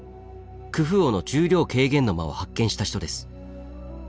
クフ王の「重量軽減の間」を発見した人です。